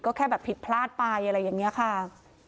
ก็แค่แบบผิดพลาดไปอะไรอย่างนี้ค่ะ